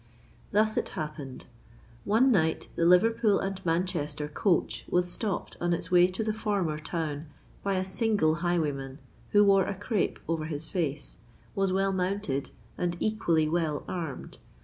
Thus it happened:—One night the Liverpool and Manchester coach was stopped on its way to the former town, by a single highwayman, who wore a crape over his face, was well mounted, and equally well armed.